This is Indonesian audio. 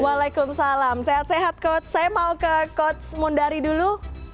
waalaikumsalam sehat sehat coach saya mau ke coach mundari dulu